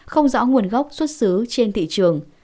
không rõ nguồn gốc xuất xứ trên thị trường